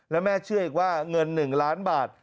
แล้วแม่เชื่ออีกว่าเงิน๑ล้านบาท